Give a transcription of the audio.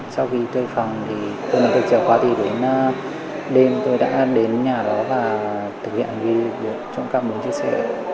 sau khi thuê phòng thì tôi đã được trợ khóa thì đến đêm tôi đã đến nhà đó và thực hiện hành vi trộm cắp mũi chiếc xe